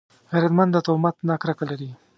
غیرتمند د تهمت نه کرکه لري